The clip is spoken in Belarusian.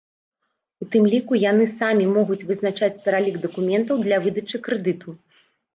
У тым ліку яны самі могуць вызначаць пералік дакументаў для выдачы крэдыту.